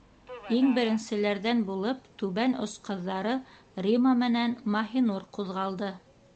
Иң беренселәрҙән булып түбән ос ҡыҙҙары Рима менән Маһинур ҡуҙғалды.